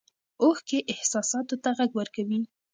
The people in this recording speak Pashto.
اوښکې احساساتو ته غږ ورکوي.